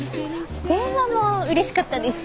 電話もうれしかったです。